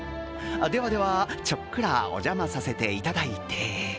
ではでは、ちょっくらお邪魔させていただいて。